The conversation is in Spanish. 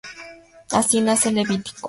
Así nace Levítico.